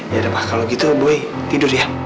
yaudah pa kalau gitu boy tidur ya